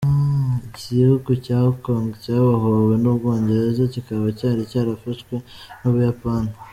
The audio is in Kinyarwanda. Igihugu cya Hong Kong cyabohowe n’u Bwongereza kikaba cyari cyarafashwe n’u Buyapani.